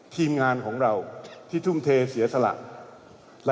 ทีมงานของเราที่ทุ่มเทเสียสละ